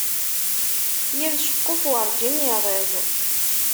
Yir ceqquf werǧin iṛṛiẓ.